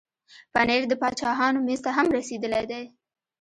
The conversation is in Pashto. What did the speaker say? پنېر د باچاهانو مېز ته هم رسېدلی دی.